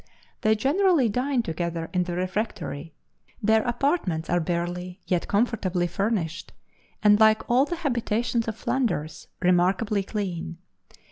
They generally dine together in the refectory; their apartments are barely yet comfortably furnished, and, like all the habitations of Flanders, remarkably clean.